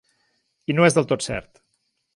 I no és del tot cert.